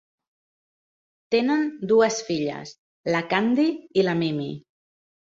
Tenen dues filles, la Candy i la Mimi.